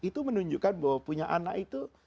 itu menunjukkan bahwa punya anak itu